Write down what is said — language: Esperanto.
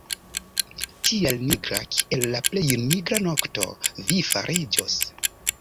Tiel nigra, kiel la plej nigra nokto vi fariĝos!".